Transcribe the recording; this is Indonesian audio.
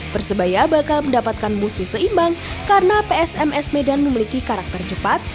persebaya bakal mendapatkan musuh seimbang karena psms medan memiliki karakter cepat